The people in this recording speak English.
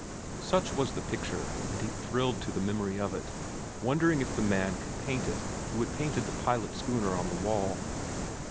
Such was the picture, and he thrilled to the memory of it, wondering if the man could paint it who had painted the pilot schooner on the wall.